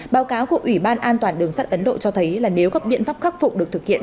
báo cáo của ủy ban an toàn đường sắt ấn độ cho thấy là nếu các biện pháp khắc phục được thực hiện